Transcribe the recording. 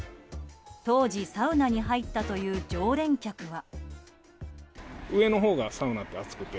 当時、サウナに入ったという常連客は。